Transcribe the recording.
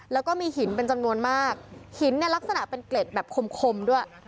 แล้วก็มีหินเป็นจำนวนมากหินเนี่ยลักษณะเป็นเกล็ดแบบคมคมด้วย